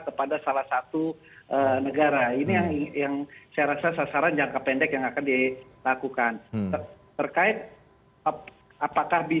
karena suara memadai